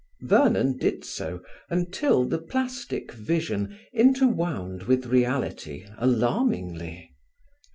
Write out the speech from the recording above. Vernon did so until the plastic vision interwound with reality alarmingly.